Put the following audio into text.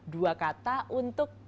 dua kata untuk